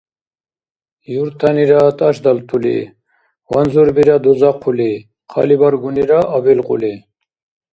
Юртанира тӀашдалтули, ванзурбира дузахъули, хъалибаргунира абилкьули…